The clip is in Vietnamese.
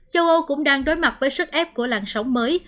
châu âu cũng đang đối mặt với sức ép của làn sóng mới